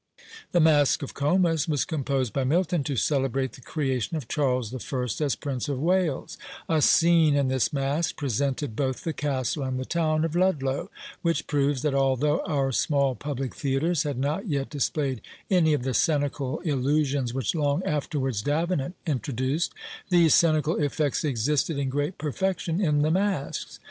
The Masque of Comus was composed by Milton to celebrate the creation of Charles the First as Prince of Wales; a scene in this Masque presented both the castle and the town of Ludlow, which proves, that although our small public theatres had not yet displayed any of the scenical illusions which long afterwards Davenant introduced, these scenical effects existed in great perfection in the Masques.